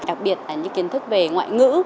đặc biệt là những kiến thức về ngoại ngữ